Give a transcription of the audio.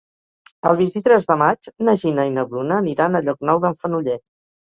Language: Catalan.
El vint-i-tres de maig na Gina i na Bruna aniran a Llocnou d'en Fenollet.